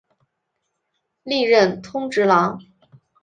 历任通直郎。